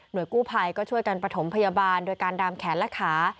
โดยกู้ภัยก็ช่วยกันประถมพยาบาลโดยการดามแขนและขา